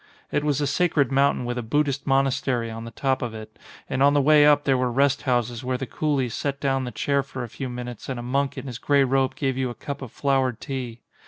It was a sacred mountain with a Buddhist monastery on the top of it, and on the way up there were rest houses where the coolies set down the chair for a few minutes and a monk in his grey robe gave you a cup of flowered tea.